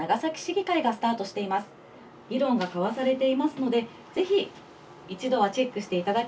議論が交わされていますのでぜひ一度はチェックしていただきたいと思います。